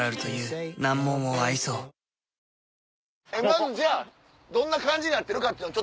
まずじゃあどんな感じになってるかっていうのを。